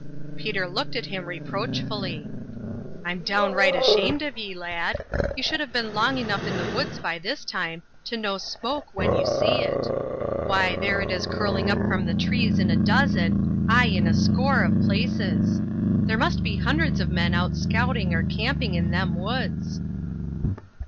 Peter looked at him reproachfully. "I'm downright ashamed of ye, lad. You should have been long enough in the woods by this time to know smoke when you see it. Why, there it is curling up from the trees in a dozen ay, in a score of places. There must be hundreds of men out scouting or camping in them woods."